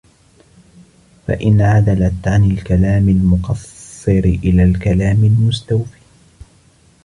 فَإِنْ عَدَلْت عَنْ الْكَلَامِ الْمُقَصِّرِ إلَى الْكَلَامِ الْمُسْتَوْفِي